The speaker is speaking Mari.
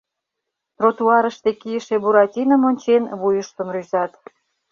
Тротуарыште кийыше Буратином ончен, вуйыштым рӱзат.